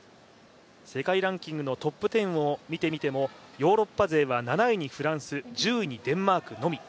世界ランキングのトップ１０を見てみても、ヨーロッパ勢は７位にフランス、１０位にデンマークのみ。